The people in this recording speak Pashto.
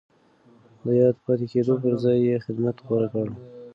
د ياد پاتې کېدو پر ځای يې خدمت غوره کړ.